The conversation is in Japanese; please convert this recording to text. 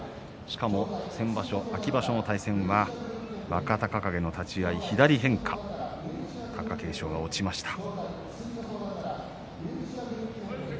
しかも先場所、秋場所の対戦は若隆景は立ち合い左変化貴景勝が落ちてしまいました。